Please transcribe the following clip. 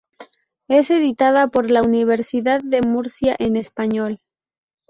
Es editada por la Universidad de Murcia en español.